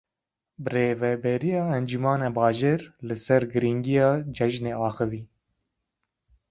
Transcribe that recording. Birêveberiya Encumena Bajêr li ser girîngiya cejinê axivî.